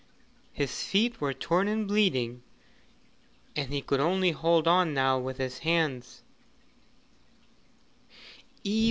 His feet were torn and bleeding, and he could only hold on now with his hands.